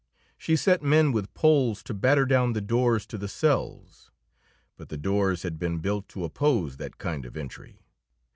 She set men with poles to batter down the doors to the cells; but the doors had been built to oppose that kind of entry.